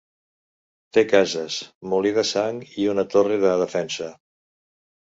Té cases, molí de sang i una torre de defensa.